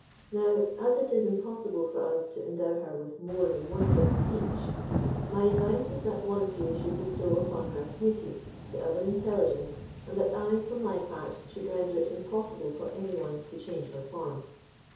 Now, as it is impossible for us to endow her with more than one gift each, my advice is that one of you should bestow upon her beauty, the other intelligence, and that I, for my part, should render it impossible for any one to change her form."